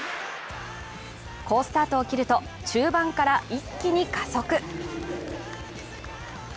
好スタートを切ると、中盤から一気に加速。